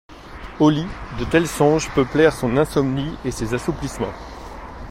Au lit, de tels songes peuplèrent son insomnie et ses assoupissements.